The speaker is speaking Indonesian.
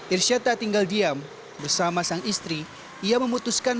irsyad tak tinggal diam bersama sang istri ia memutuskan